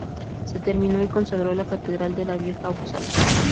Se terminó y consagró la Catedral de la Vieja Upsala.